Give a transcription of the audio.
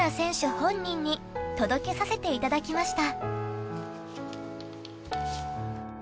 本人に届けさせていただきました。